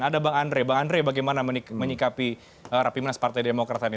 ada bang andre bang andre bagaimana menyikapi rapimnas partai demokrat tadi